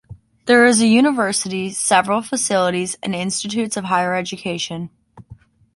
There is a university, several faculties and institutes of higher education.